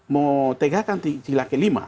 mau tegakkan cilake lima